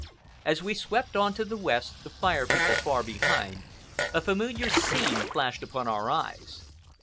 As we swept on to the west, the Fire People far behind, a familiar scene flashed upon our eyes.